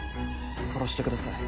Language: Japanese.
殺してください。